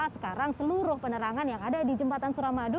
sekarang seluruh penerangan yang ada di jembatan suramadu